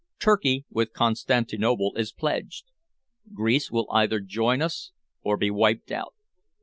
Turkey, with Constantinople, is pledged. Greece will either join us or be wiped out.